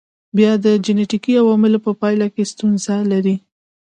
یا د جنېټیکي عواملو په پایله کې ستونزه لري.